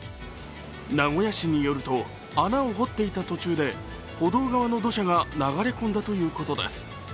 名古屋市によると、穴を掘っていた途中で歩道側の土砂が流れ込んだということです。